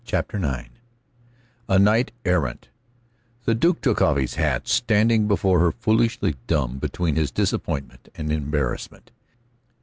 CHAPTER IX A KNIGHT ERRANT The Duke took off his hat, standing before her foolishly dumb between his disappointment and embarrassment.